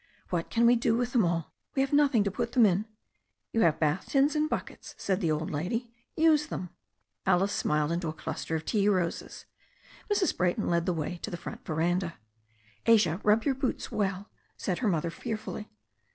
"What can we do with them all? We have nothing to put them in." "You have bath tins and buckets," said the old lady. "Use them." Alice smiled into a cluster of tea roses. Mrs. Bray ton led the way to the front veranda. "Asia, rub your boots well," said her mother fearfully.